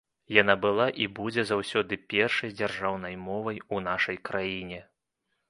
Яна была і будзе заўсёды першай дзяржаўнай мовай у нашай краіне.